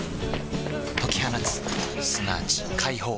解き放つすなわち解放